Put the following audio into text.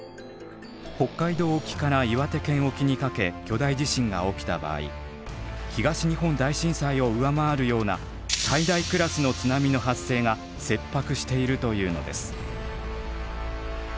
北海道沖から岩手県沖にかけ巨大地震が起きた場合東日本大震災を上回るような「最大クラスの津波の発生が切迫している」というのです。